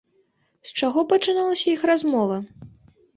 З чаго пачалася іх размова?